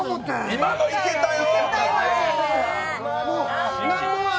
今のいけたよ。